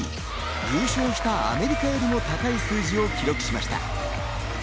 優勝したアメリカよりも高い数字を記録しました。